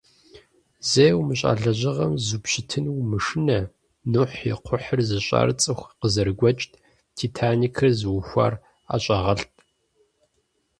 Зэи умыщӏа лэжьыгъэм зупщытыну умышынэ: Нухь и кхъухьыр зыщӏар цӏыху къызэрыгуэкӏт, «Титаникыр» зыухуар ӏэщӏагъэлӏт.